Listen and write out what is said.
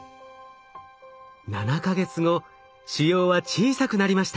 ７か月後腫瘍は小さくなりました。